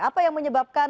apa yang menyebabkan